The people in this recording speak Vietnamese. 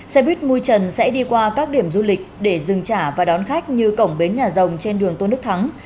xe buýt mui trần sẽ đi qua các điểm du lịch để dừng trả và đón khách như cổng bến nhà rồng trên đường tôn đức thắng